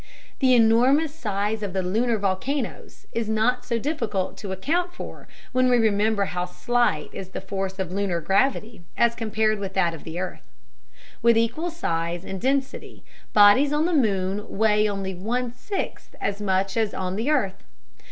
The enormous size of the lunar volcanoes is not so difficult to account for when we remember how slight is the force of lunar gravity as compared with that of the earth. With equal size and density, bodies on the moon weigh only one sixth as much as on the earth.